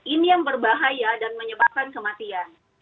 ini yang berbahaya dan menyebabkan kematian